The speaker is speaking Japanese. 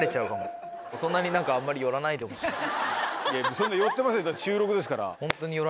そんな寄ってません収録ですから。